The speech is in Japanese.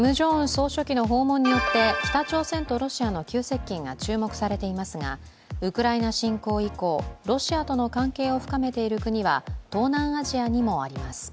総書記の訪問によって北朝鮮とロシアの急接近が注目されていますがウクライナ侵攻以降、ロシアとの関係を深めている国は東南アジアにもあります。